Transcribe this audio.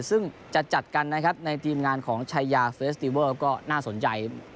ซึ่งจะจัดกันนะครับในทีมงานของชายาเฟสติเวิลก็น่าสนใจ